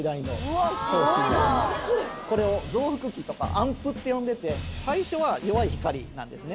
これを増幅器とかアンプって呼んでてなんですね